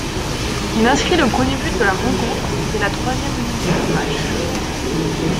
Il inscrit le premier but de la rencontre, dès la troisième minute du match.